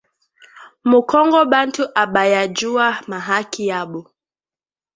Mu kongo bantu abaya juwa ma haki yabo